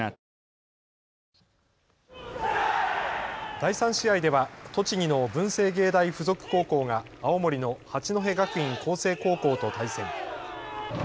第３試合では栃木の文星芸大付属高校が青森の八戸学院光星高校と対戦。